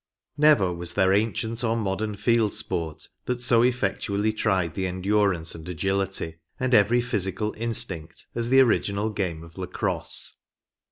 Never was there anciept or modern field sport that so effectually tried the endurance and agility, and every physical instinct as the original game of Lacrosse.